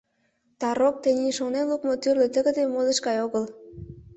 Тарокк тений шонен лукмо тӱрлӧ тыгыде модыш гай огыл.